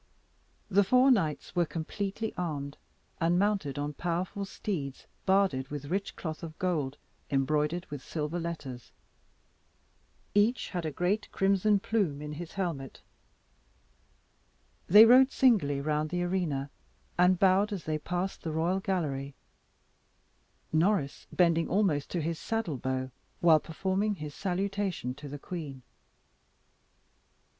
The four knights were completely armed, and mounted on powerful steeds barded with rich cloth of gold, embroidered with silver letters. Each had a great crimson plume in his helmet. They rode singly round the arena, and bowed as they passed the royal gallery, Norris bending almost to his saddle bow while performing his salutation to the queen.